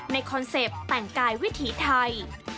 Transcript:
คอนเซ็ปต์แต่งกายวิถีไทย